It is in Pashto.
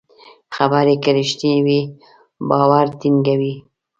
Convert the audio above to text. خبرې که رښتینې وي، باور ټینګوي.